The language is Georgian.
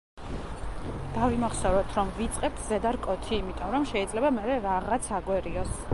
დავიმახსოვროთ, რომ ვიწყებთ ზედა რკოთი იმიტომ, რომ შეიძლება მერე რაღაც აგვერიოს.